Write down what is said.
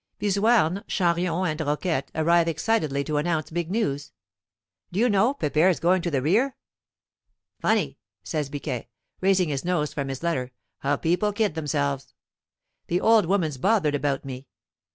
Bizouarne, Chanrion, and Roquette arrive excitedly to announce big news "D'you know, Pepere's going to the rear." "Funny," says Biquet, raising his nose from his letter, "how people kid themselves. The old woman's bothered about me!"